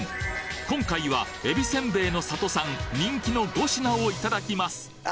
今回はえびせんべいの里さん人気の５品をいただきますあ